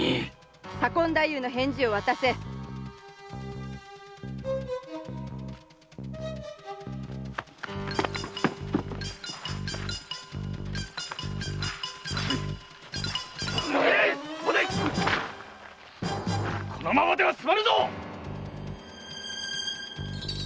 左近大夫の返事を渡せおのれこのままでは済まぬぞ